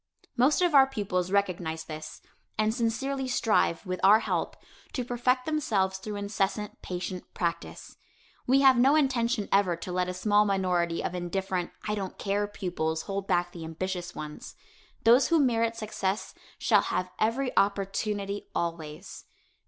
Most of our pupils recognize this and sincerely strive, with our help, to perfect themselves through incessant patient practice. We have no intention ever to let a small minority of indifferent, "I don't care" pupils, hold back the ambitious ones. Those who merit success shall have every opportunity always.